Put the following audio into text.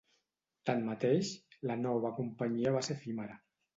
Tanmateix, la nova companyia va ser efímera.